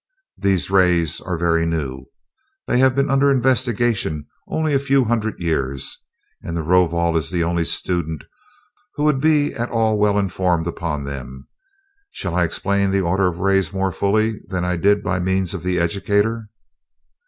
These rays are very new they have been under investigation only a few hundred years and the Rovol is the only student who would be at all well informed upon them. Shall I explain the orders of rays more fully than I did by means of the educator?"